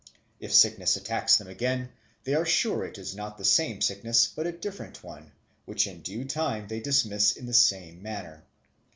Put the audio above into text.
If sickness attacks them again, they are sure it is not the same sickness, but a different one, which in due time they dismiss in the same manner.